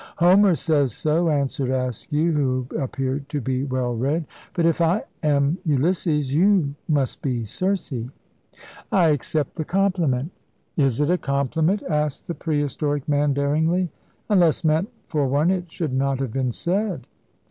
"Homer says so," answered Askew, who appeared to be well read; "but if I am Ulysses, you must be Circe." "I accept the compliment!" "Is it a compliment?" asked the pre historic man, daringly. "Unless meant for one it should not have been said."